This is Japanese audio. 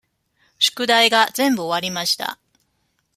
宿題が全部終わりました。